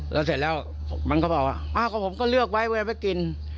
แล้วเสร็จแล้วมันก็บอกว่าอ้าวก็ผมก็เลือกไว้เวลาไปกิน